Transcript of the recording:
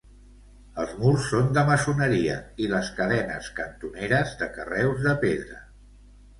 Els murs són de maçoneria i les cadenes cantoneres de carreus de pedra.